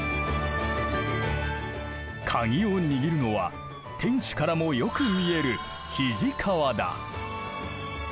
カギを握るのは天守からもよく見える肱川だ。